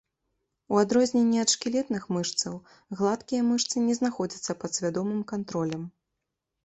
У адрозненне ад шкілетных мышцаў, гладкія мышцы не знаходзяцца пад свядомым кантролем.